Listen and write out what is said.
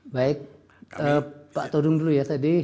baik pak todung dulu ya tadi